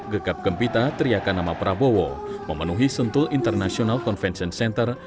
gegap gempita teriakan nama prabowo memenuhi sentul international convention center